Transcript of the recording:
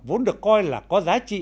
vốn được coi là có giá trị